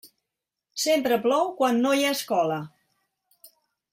Sempre plou quan no hi ha escola.